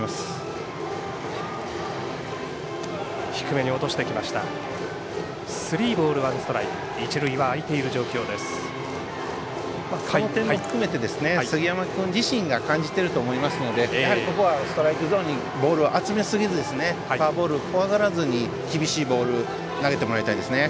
その点も含めて杉山君自身が感じていると思いますのでやはりここはストライクゾーンにボールを集めすぎずフォアボール怖がらずに厳しいボール投げてもらいたいですね。